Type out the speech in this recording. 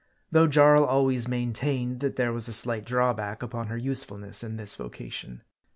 Though Jarl always maintained that there was a slight drawback upon her use fulness in this vocation.